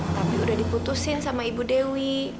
tapi udah diputusin sama ibu dewi